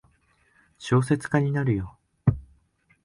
小説家になるよ。